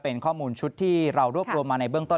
เป็นข้อมูลชุดที่เรารวบรวมมาในเบื้องต้น